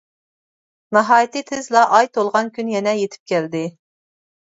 ناھايىتى تېزلا ئاي تولغان كۈن يەنە يېتىپ كەلدى.